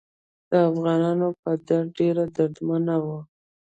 د افغانانو په درد ډیره دردمنه وه.